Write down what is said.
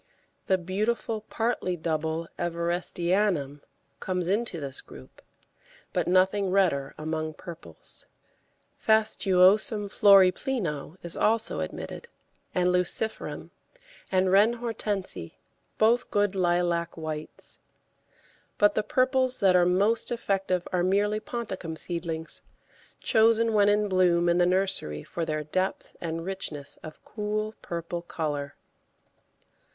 The beautiful partly double Everestianum comes into this group, but nothing redder among purples. Fastuosum florepleno is also admitted, and Luciferum and Reine Hortense, both good lilac whites. But the purples that are most effective are merely ponticum seedlings, chosen when in bloom in the nursery for their depth and richness of cool purple colour.